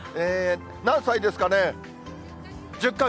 何歳ですかね？